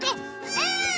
うん！